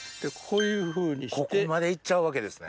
ここまでいっちゃうわけですね。